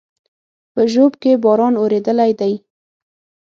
په ژوب کې باران اورېدلى دی